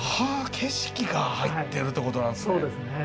景色が入ってるってことなんですね。